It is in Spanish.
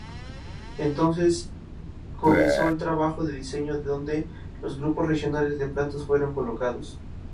Entonces comenzó el trabajo de diseño donde los grupos regionales de plantas fueron colocados.